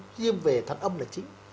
kiêm về thận âm là chính